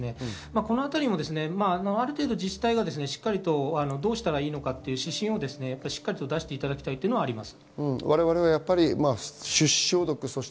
このあたりもある程度、自治体がどうしたらいいのかという指針をしっかり出していただきたいというのがあります。